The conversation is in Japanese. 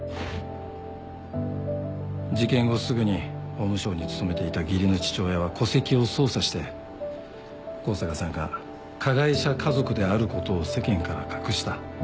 事件後すぐに法務省に勤めていた義理の父親は戸籍を操作して香坂さんが加害者家族であることを世間から隠した。